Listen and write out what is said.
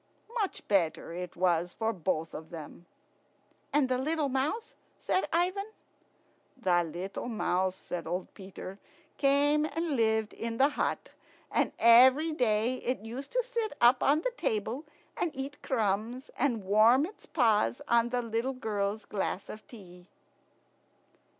Much better it was for both of them. "And the little mouse?" said Ivan. "The little mouse," said old Peter, "came and lived in the hut, and every day it used to sit up on the table and eat crumbs, and warm its paws on the little girl's glass of tea."